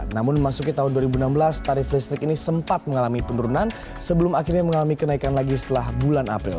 namun memasuki tahun dua ribu enam belas tarif listrik ini sempat mengalami penurunan sebelum akhirnya mengalami kenaikan lagi setelah bulan april